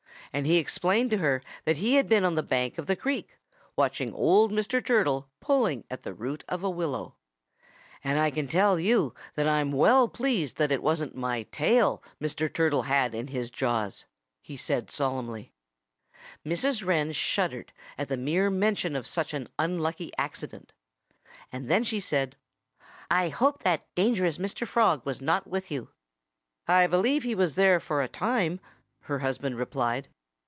And he explained to her that he had been on the bank of the creek, watching old Mr. Turtle pulling at the root of a willow. "And I can tell you that I'm well pleased that it wasn't my tail Mr. Turtle had in his jaws," he said solemnly. Mrs. Wren shuddered at the mere mention of such an unlucky accident. And then she said: "I hope that dangerous Mr. Frog was not with you." "I believe he was there for a time," her husband replied.